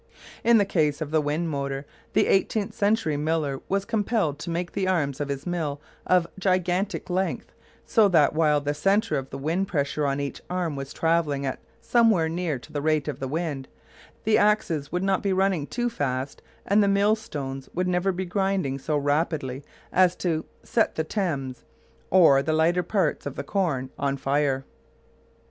In the case of the wind motor the eighteenth century miller was compelled to make the arms of his mill of gigantic length, so that, while the centre of the wind pressure on each arm was travelling at somewhere near to the rate of the wind, the axis would not be running too fast and the mill stones would never be grinding so rapidly as to "set the tems or the lighter parts of the corn on fire."